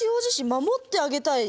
「守ってあげたい」